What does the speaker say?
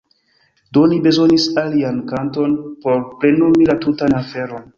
Do ni bezonis alian kanton por plenumi la tutan aferon.